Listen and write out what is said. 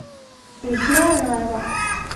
与其他人来往